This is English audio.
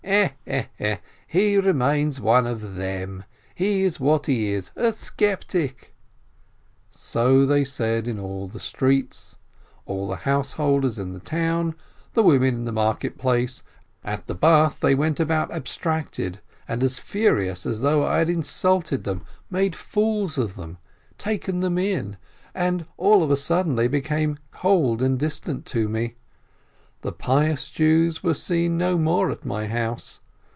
"Eh eh eh! He remains one of them! He is what he is — a skeptic!" so they said in all the streets, all the householders in the town, the women in the market place, at the bath, they went about abstracted, and as furious as though I had insulted them, made fools of them, taken them in, and all of a sudden they became cold and distant to me. The pious Jews were seen no more at my house.